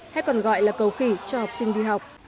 hay còn gọi là cầu khỉ cho học sinh đi học